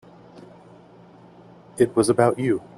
It was about you.